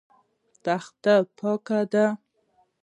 تخته پاکه ده.